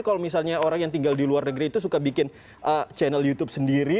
kalau misalnya orang yang tinggal di luar negeri itu suka bikin channel youtube sendiri